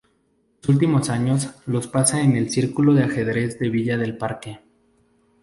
Sus últimos años los pasa en el Círculo de Ajedrez de Villa del Parque.